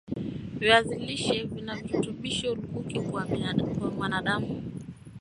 viazi lishe vina virutubisho lukuki kwa mwanadam